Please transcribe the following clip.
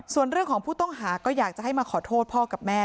ส่วนเรื่องของผู้ต้องหาก็อยากจะให้มาขอโทษพ่อกับแม่